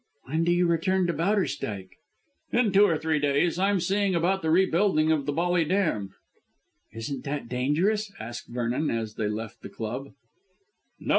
"When do you return to Bowderstyke?" "In two or three days. I'm seeing about the re building of the Bolly Dam." "Isn't that dangerous?" asked Vernon as they left the club. "No.